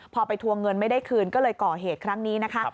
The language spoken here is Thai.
พอไปทวงเงินไม่ได้คืนก็เลยก่อเหตุครั้งนี้นะคะ